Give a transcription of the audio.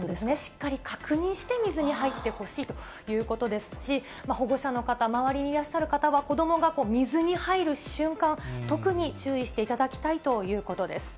しっかり確認して、水に入ってほしいということですし、保護者の方、周りにいらっしゃる方は、子どもが水に入る瞬間、特に注意していただきたいということです。